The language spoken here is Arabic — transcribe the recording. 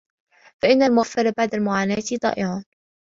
فَإِنَّ الْمُغَفَّلَ بَعْدَ الْمُعَانَاةِ ضَائِعٌ